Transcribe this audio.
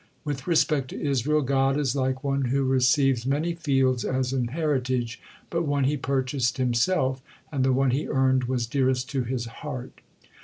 With respect to Israel, God is like one who receive many fields as an heritage, but one he purchased himself, and the one he earned was dearest to his heart.